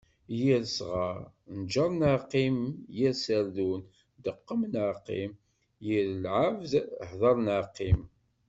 Yir sɣar, njer neɣ qqim. Yir serdun, deqqem neɣ qqim. Yir lɛebd, hder neɣ qqim.